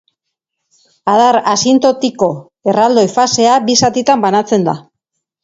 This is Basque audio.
Adar asintotiko erraldoi fasea bi zatitan banatzen da.